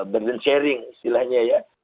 burden sharing istilahnya ya